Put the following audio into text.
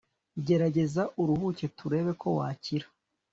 gerageza uruhuke turebeko wakira